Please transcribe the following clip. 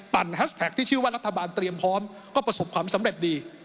แฮชแท็กที่ชื่อว่ารัฐบาลเตรียมพร้อมก็ประสบความสำเร็จดี